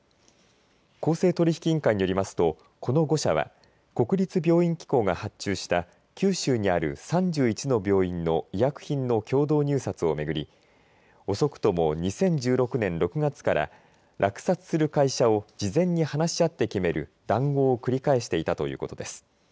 公正取引委員会によりますとこの５社は国立病院機構が発注した九州にある３１の病院の医薬品の共同入札を巡り遅くとも２０１６年６月から落札する会社を事前に話し合って決める談合を繰り返していたということです。